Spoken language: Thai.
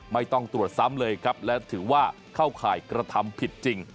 ไม่ต้องตรวจซ้ำเลยครับและถือว่าเข้าข่ายกระทำผิดจริง